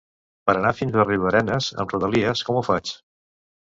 Per anar fins a Riudarenes amb Rodalies, com ho faig?